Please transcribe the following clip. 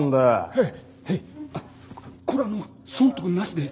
はい。